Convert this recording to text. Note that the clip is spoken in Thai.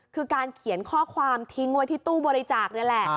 คือการเขียนข้อความทิ้งไว้ที่ตู้บริจาคนี่แหละ